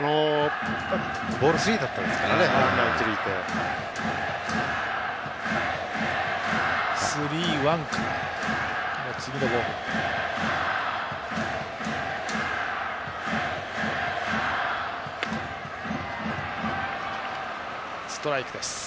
ボールがスリーだったですからランナー、一塁で。